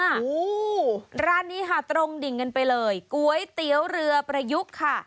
โอ้โหร้านนี้ค่ะตรงดิ่งกันไปเลยก๋วยเตี๋ยวเรือประยุกต์ค่ะ